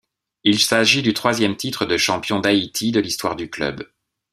Il s'agit du troisième titre de champion d'Haïti de l'histoire du club.